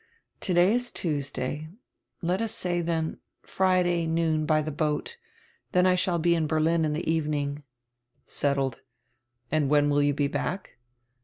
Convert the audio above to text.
"Today is Tuesday. Let us say, then, Friday noon by die boat. Then I shall be in Berlin in the evening." "Settled. And when will you be back?"